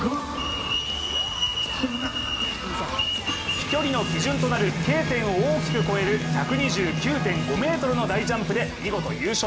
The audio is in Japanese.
飛距離の基準となるＫ点を大きく越える１２９．５ｍの大ジャンプで見事優勝。